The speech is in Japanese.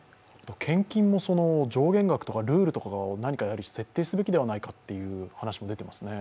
献金も上限額とかルールとかをやはり何か設定すべきではないかという話も出ていますね。